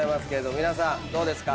皆さんどうですか？